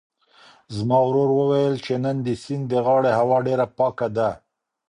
زما ورور وویل چې نن د سیند د غاړې هوا ډېره پاکه ده.